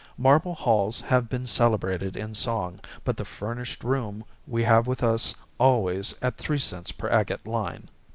Marble halls have been celebrated in song, but the furnished room we have with us always at three cents per agate line.